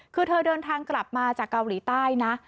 คือเธอเดินทางกลับมาจากเกาหลีใต้นะ